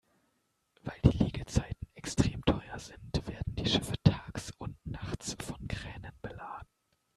Weil die Liegezeiten extrem teuer sind, werden die Schiffe tags und nachts von Kränen beladen.